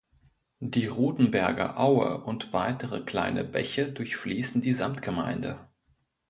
Die Rodenberger Aue und weitere kleine Bäche durchfließen die Samtgemeinde.